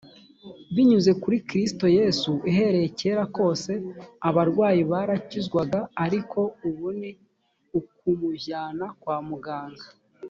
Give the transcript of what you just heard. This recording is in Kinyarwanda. binyuze kuri kristo yesu uhereye kera kose abarwayi barakizwaga ariko ubu ni ukumujyana kwa muganga